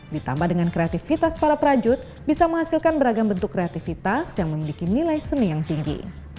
ditambah dengan kreativitas para prajut bisa menghasilkan beragam bentuk kreativitas yang memiliki nilai seni yang tinggi